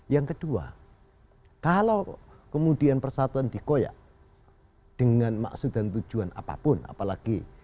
yang kedua kalau kemudian persatuan dikoyak dengan maksud dan tujuan apapun apalagi